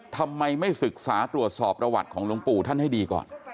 ทำไมไม่ศึกษาตรวจสอบประวัติของหลวงปู่ท่านให้ดีก่อน